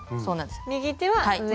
右手は上。